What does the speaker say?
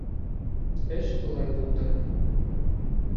— Эш былай булды.